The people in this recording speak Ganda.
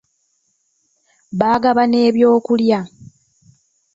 Baagaba n'ebyokulya.